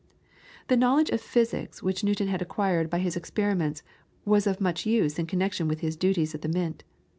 The knowledge of physics which Newton had acquired by his experiments was of much use in connection with his duties at the Mint.